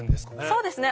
そうですね。